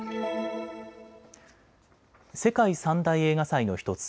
世界３大映画祭の１つ